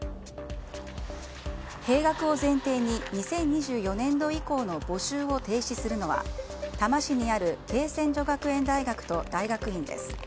閉学を前提に２０２４年度以降の募集を停止するのは多摩市にある恵泉女学園大学と大学院です。